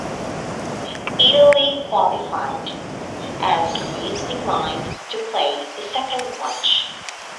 Italy qualified, as Greece declined to play the second match.